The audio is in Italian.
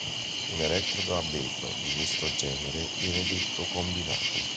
Un elettrodo a vetro di questo genere viene detto "combinato".